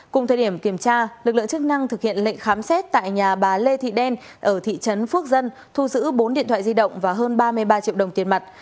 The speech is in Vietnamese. cùng thời điểm kiểm tra lực lượng chức năng thực hiện lệnh khám xét tại nhà bà lê thị đen ở thị trấn phước dân thu giữ bốn điện thoại di động và hơn ba mươi ba triệu đồng tiền mặt